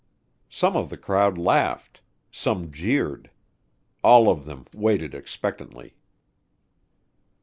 Some of the crowd laughed; some jeered. All of them waited expectantly.